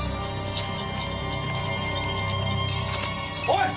おい！